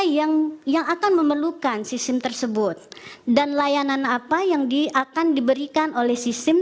yang yang akan memerlukan sistem tersebut dan layanan apa yang dia akan diberikan oleh sistem